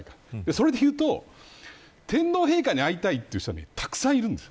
それでいうと、天皇陛下に会いたいという人はたくさんいるんです。